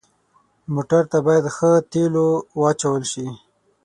موټر ته باید ښه تیلو واچول شي.